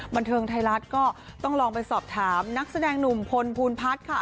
บันเทิงไทยรัฐก็ต้องลองไปสอบถามนักแสดงหนุ่มพลภูมิพัฒน์ค่ะ